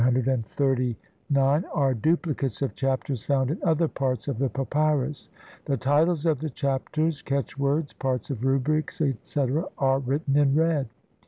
CXXIX, and CXXXIX) are duplicates of Chapters found in other parts of the papyrus. The titles of the Chapters, catch words, parts of Rubrics, etc., are written in red.